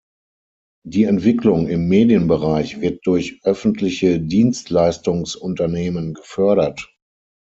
Die Entwicklung im Medienbereich wird durch öffentliche Dienstleistungsunternehmen gefördert.